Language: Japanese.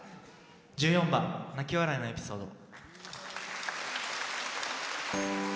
１４番「泣き笑いのエピソード」。